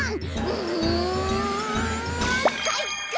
うんかいか！